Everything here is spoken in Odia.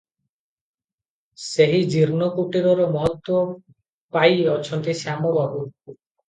ସେହି ଜୀର୍ଣ୍ଣ କୁଟୀରର ମହତ୍ତ୍ୱ ପାଇ ଅଛନ୍ତି ଶ୍ୟାମ ବାବୁ ।